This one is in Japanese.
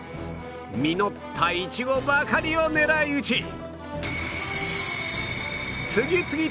実ったイチゴばかりを狙い撃ち！